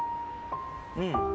うん。